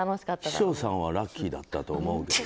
秘書さんはラッキーだったと思うけど。